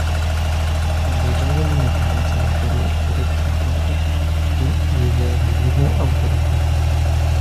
Fundador de la Independencia del Perú y representante del liberalismo autoritario.